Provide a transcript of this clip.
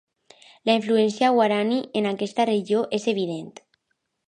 La influència guaraní en aquesta regió és evident.